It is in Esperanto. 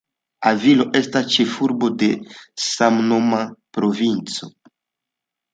Avilo estas ĉefurbo de samnoma provinco.